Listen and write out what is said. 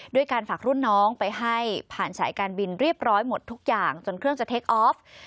ด้วยการฝากรุ่นน้องไปให้ผ่านสายการบินเรียบร้อยหมดทุกอย่างจนเครื่องจะเทคออฟ